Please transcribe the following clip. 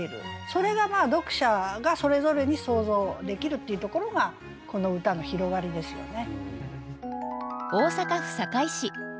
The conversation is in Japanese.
それが読者がそれぞれに想像できるっていうところがこの歌の広がりですよね。